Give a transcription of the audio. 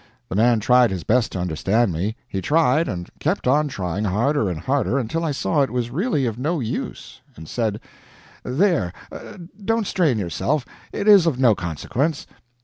The man tried his best to understand me; he tried, and kept on trying, harder and harder, until I saw it was really of no use, and said: "There, don't strain yourself it is of no consequence."